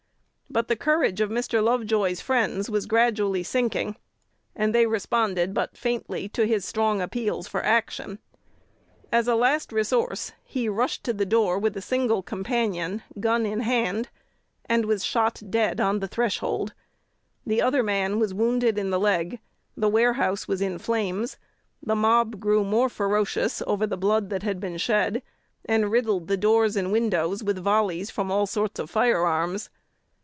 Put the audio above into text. But the courage of Mr. Lovejoy's friends was gradually sinking, and they responded but faintly to his strong appeals for action. As a last resource, he rushed to the door with a single companion, gun in hand, and was shot dead on the threshold. The other man was wounded in the leg, the warehouse was in flames, the mob grew more ferocious over the blood that had been shed, and riddled the doors and windows with volleys from all sorts of fire arms.